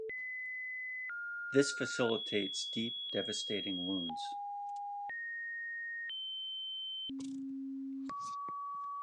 This facilitates deep, devastating wounds.